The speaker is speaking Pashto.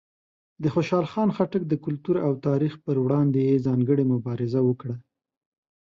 د خوشحال خان خټک د کلتور او تاریخ پر وړاندې یې ځانګړې مبارزه وکړه.